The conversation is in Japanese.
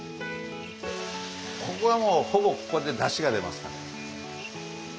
ここはもうほぼここでだしが出ますから。